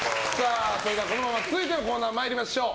このまま続いてのコーナー参りましょう。